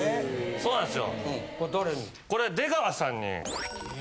そうなんです。